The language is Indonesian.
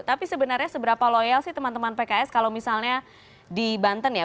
tapi sebenarnya seberapa loyal sih teman teman pks kalau misalnya di banten ya